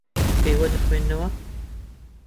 ئێوە دەخوێننەوە.